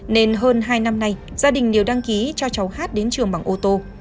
nên hơn hai năm nay gia đình đều đăng ký cho cháu hát đến trường bằng ô tô